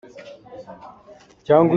Saveh a tlau i Ngakchiapa a ṭap.